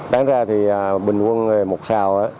đáng ra thì bình quân một sao